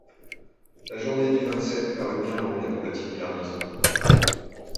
La journée du vingt-sept parut bien longue à la petite garnison.